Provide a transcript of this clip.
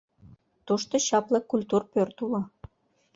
Тушто чапле культур пӧрт уло.